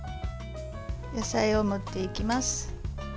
野菜を盛っていきます。